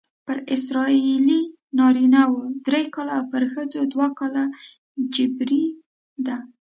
پر اسرائیلي نارینه وو درې کاله او پر ښځو دوه کاله جبری ده.